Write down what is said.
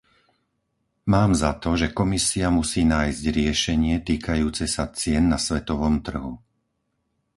Mám za to, že Komisia musí nájsť riešenie týkajúce sa cien na svetovom trhu.